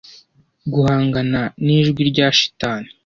guhangana nijwi rya Shitani